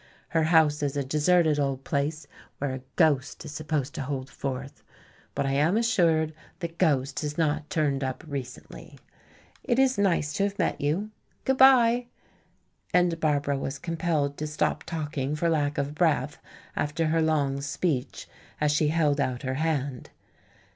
Her house is a deserted old place where a ghost is supposed to hold forth. But I am assured the ghost has not turned up recently. It is nice to have met you. Good by." And Barbara was compelled to stop talking for lack of breath after her long speech, as she held out her hand.